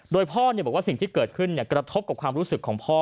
โดยพ่อบอกว่าสิ่งที่เกิดขึ้นกระทบกับความรู้สึกของพ่อ